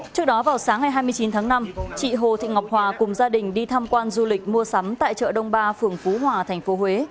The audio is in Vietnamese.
chị hồ thị ngọc hòa cùng gia đình đi tham quan du lịch mua sắm tại chợ đông ba phường phú hòa tp huế